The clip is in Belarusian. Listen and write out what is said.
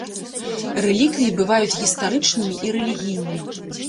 Рэліквіі бываюць гістарычнымі і рэлігійнымі.